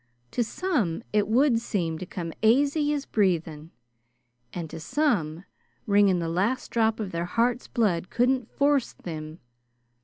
"To some it would seem to come aisy as breathing; and to some, wringin' the last drop of their heart's blood couldn't force thim!